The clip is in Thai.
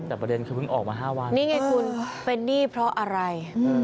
แต่ประเด็นคือเพิ่งออกมา๕วันนี่ไงคุณเป็นหนี้เพราะอะไร